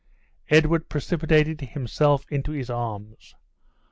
Edwin precipitated himself into his arms.